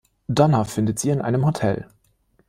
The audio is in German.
Donna findet sie in einem Hotel.